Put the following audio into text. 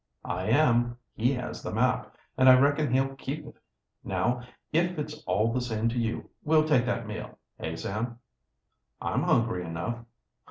"I am. He has the map, and I reckon he'll keep it. Now, if it's all the same to you, we'll take that meal. Eh, Sam?" "I'm hungry enough."